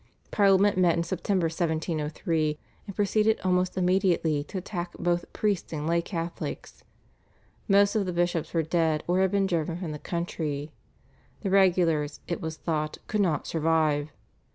Parliament met in September 1703, and proceeded almost immediately to attack both priests and lay Catholics. Most of the bishops were dead or had been driven from the country. The regulars, it was thought, could not survive.